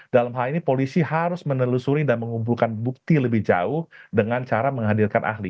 dalam hal ini polisi harus menelusuri dan mengumpulkan bukti lebih jauh dengan cara menghadirkan ahli